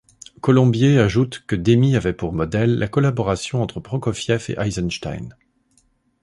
Colombier ajoute que Demy avait pour modèle la collaboration entre Prokoviev et Eisenstein.